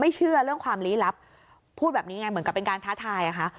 เชื่อเรื่องความลี้ลับพูดแบบนี้ไงเหมือนกับเป็นการท้าทายอะค่ะ